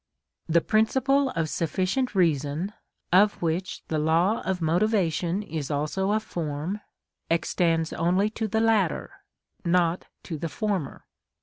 The principle of sufficient reason, of which the law of motivation is also a form, extends only to the latter, not to the former.